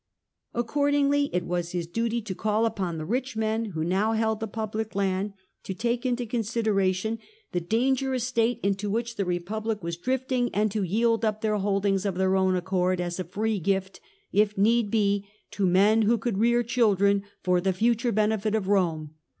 Accord ingly it was his duty to call upon the rich men who now held the public land to take into consideration the danger OCTAVIUS VETOES THE BILL 31 ons state into whicli the Republic was drifting, and to yield up their holdings of their own accord, as a free gift, if need be, to men who could rear children for the future benefit of Rome.